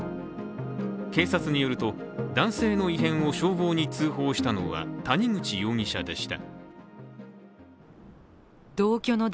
警察によると、男性の異変を消防に通報したのは谷口容疑者でした。